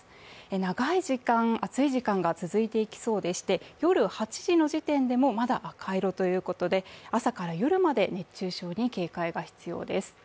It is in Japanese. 長い時間、暑い時間が続いていきそうでして、夜８時の時点でも、まだ赤色ということで、朝から夜まで熱中症に警戒が必要です。